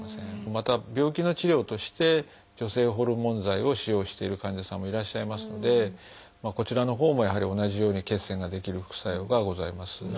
また病気の治療として女性ホルモン剤を使用している患者さんもいらっしゃいますのでこちらのほうもやはり同じように血栓が出来る副作用がございます。